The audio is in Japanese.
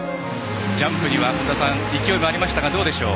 ジャンプには勢いがありましたがどうでしょう？